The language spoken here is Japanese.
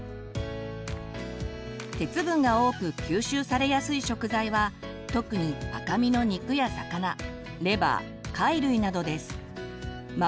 鉄分が多く吸収されやすい食材は特に赤身の肉や魚レバー貝類などです。